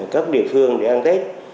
các địa phương để ăn tết